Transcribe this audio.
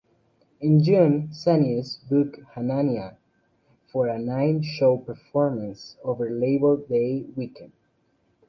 In June, Zanies booked Hanania for a nine show performance over Labor Day weekend.